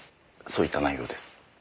そういった内容です。